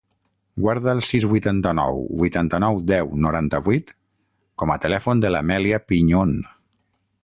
Guarda el sis, vuitanta-nou, vuitanta-nou, deu, noranta-vuit com a telèfon de l'Amèlia Piñon.